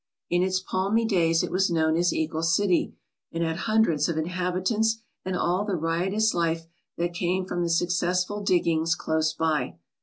I n its palmy days it was known as Eagle City, and had hundreds of inhabitants and all the riotous life that came from the successful diggings close by.